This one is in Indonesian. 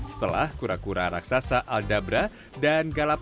setelah kura kura raksasa aldabra dan galap